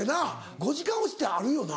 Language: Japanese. ５時間押しってあるよな。